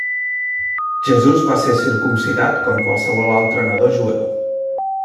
Jesús va ser circumcidat com qualsevol altre nadó jueu.